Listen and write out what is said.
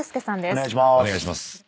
お願いしまーす。